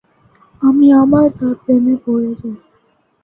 আমি আবার তার প্রেমে পড়ে যায়।